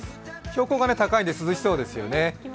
標高が高いので涼しそうですよね。